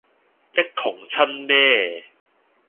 一窮親呢